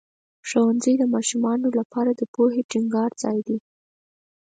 ښوونځی د ماشومانو لپاره د پوهې ټینګار ځای دی.